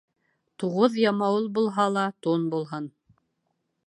Туғыҙ ямауыл булһа ла, тун булһын.